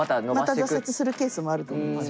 また挫折するケースもあると思いますよ。